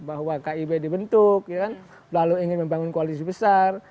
bahwa kib dibentuk lalu ingin membangun koalisi besar